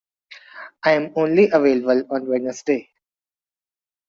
I am only available on Wednesday.